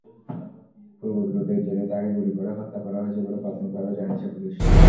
পূর্ববিরোধের জেরে তাঁকে গুলি করে হত্যা করা হয়েছে বলে প্রাথমিকভাবে জানিয়েছে পুলিশ।